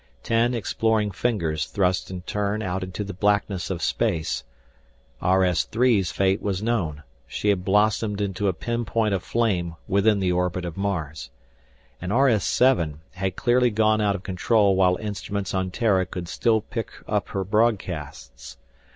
Ten exploring fingers thrust in turn out into the blackness of space. RS 3's fate was known she had blossomed into a pinpoint of flame within the orbit of Mars. And RS 7 had clearly gone out of control while instruments on Terra could still pick up her broadcasts.